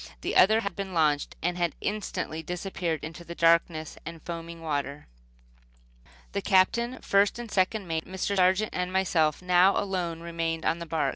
The other had been launched, and had instantly disappeared in the darkness and foaming water. The Captain, first and second mate, Mr. Sargent and myself now alone remained on the bark.